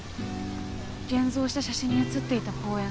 現像した写真に写っていた公園